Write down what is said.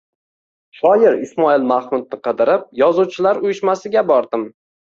shoir Ismoil Mahmudni qidirib Yozuvchilar uyushmasiga bordim.